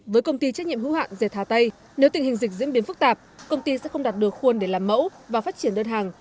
với công ty trách nhiệm hữu hạn dệt hà tây nếu tình hình dịch diễn biến phức tạp công ty sẽ không đạt được khuôn để làm mẫu và phát triển đơn hàng